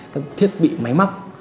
các thiết bị máy móc